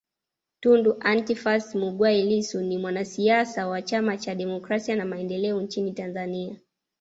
Tundu Antiphas Mughwai Lissu ni mwanasiasa wa Chama cha Demokrasia na Maendeleo nchini Tanzania